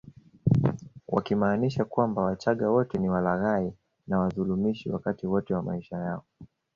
Wakimaanisha kwamba wachaga wote ni walaghai na wadhulumishi wakati wote wa maisha yao